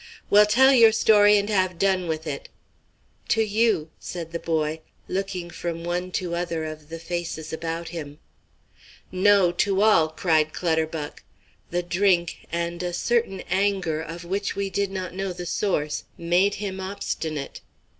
"Well, tell your story and have done with it!" "To you," said the boy, looking from one to other of the faces about him. "No, to all," cried Clutterbuck. The drink, and a certain anger of which we did not know the source, made him obstinate.